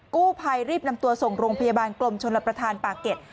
กู้ภัยรีบนำตัวส่งโรงพยาบาลกลมชลประธานปากเก็ต